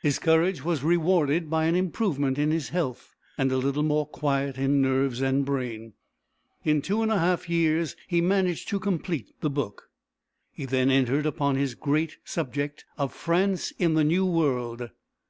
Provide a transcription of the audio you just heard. His courage was rewarded by an improvement in his health, and a little more quiet in nerves and brain. In two and a half years he managed to complete the book. He then entered upon his great subject of "France in the New World."